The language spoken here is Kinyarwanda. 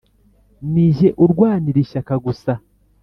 ni jye urwanira ishyaka gusa